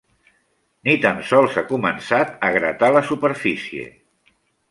Ni tan sols ha començat a gratar la superfície.